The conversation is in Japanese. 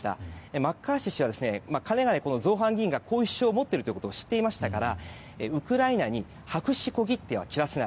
マッカーシー氏はかねがね造反議員がこういう主張を持っていることを知っていましたからウクライナに白紙小切手は切らせない。